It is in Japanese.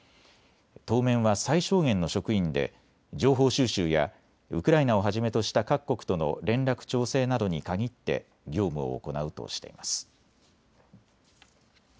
当面は最小限の職員で情報収集やウクライナをはじめとした各国との連絡・調整などに限って業務を行うとしています。